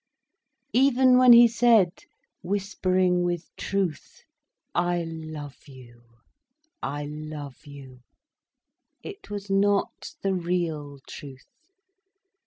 Even when he said, whispering with truth, "I love you, I love you," it was not the real truth.